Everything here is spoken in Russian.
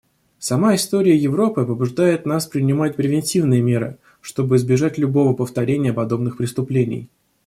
Сама история Европы побуждает нас принимать превентивные меры, чтобы избежать любого повторения подобных преступлений.